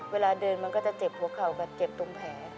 เวลาเดินมันก็จะเจ็บหัวเข่ากับเจ็บตรงแผล